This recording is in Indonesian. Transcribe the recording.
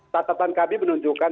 satatan kb menunjukkan